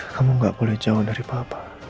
kamu gak boleh jauh dari papa